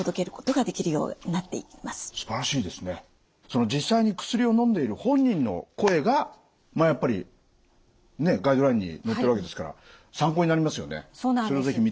その実際に薬をのんでいる本人の声がまあやっぱりガイドラインに載ってるわけですから参考になりますよね。